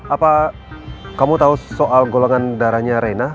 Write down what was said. apa kamu tahu soal golongan darahnya reina